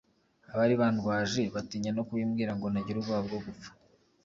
abari bandwaje batinya no kubimbwira ngo ntagira ubwoba bwo gupfa